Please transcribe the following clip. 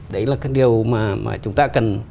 đấy là cái điều mà chúng ta cần